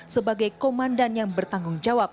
sebagai komandan yang bertanggung jawab